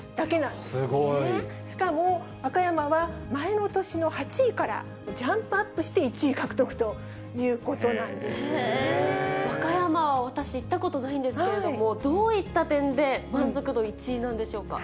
しかも和歌山は、前の年の８位からジャンプアップして、和歌山は私、行ったことないんですけれども、どういった点で満足度１位なんでしょうか。